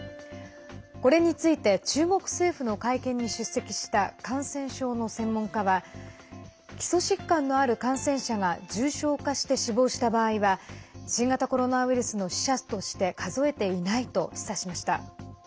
これについて中国政府の会見に出席した感染症の専門家は基礎疾患のある感染者が重症化して死亡した場合は新型コロナウイルスの死者として数えていないと示唆しました。